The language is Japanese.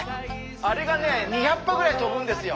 あれがね２００羽ぐらい飛ぶんですよ。